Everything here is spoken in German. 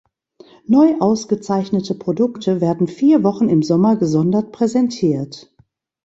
Neu ausgezeichnete Produkte werden vier Wochen im Sommer gesondert präsentiert.